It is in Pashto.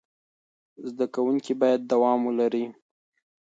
زده کوونکي باید دوام ولري.